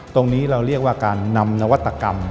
ตรงนี้เราเรียกว่าการนำนวัตกรรม